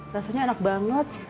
rasanya enak banget